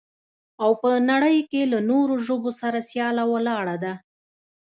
او په نړۍ کې له نورو ژبو سره سياله ولاړه ده.